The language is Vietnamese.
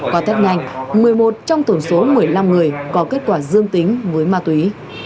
có thét nhanh một mươi một trong tổn số một mươi năm người có kết quả dương tính với ma túy